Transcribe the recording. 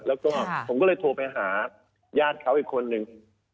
แล้วก็ผมก็เลยโทรไปหาญาติเขาอีกคนนึง